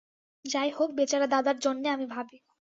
যাই হোক, বেচারা দাদার জন্যে আমি ভাবি।